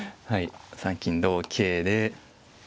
７三金同桂で。